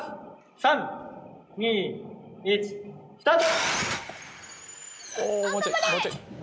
３２１スタート！